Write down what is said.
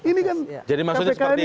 ini kan jadi maksudnya seperti itu